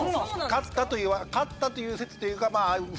勝ったという勝ったという説というかまあ不穏なね